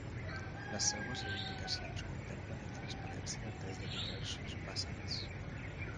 Les seues reivindicacions contemplen la transparència des de diversos vessants.